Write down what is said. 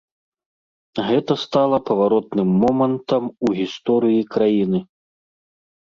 Гэта стала паваротным момантам у гісторыі краіны.